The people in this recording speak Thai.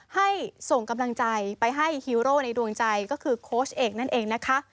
ให้ส่งกำลังใจไปให้ฮีโร่ในดวงใจก็คือโค้ชเอกนั่นเองนะคะ